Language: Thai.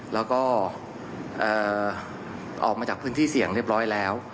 แล้วก็ออกมาจากพื้นที่เสี่ยงเรียบร้อยแล้ว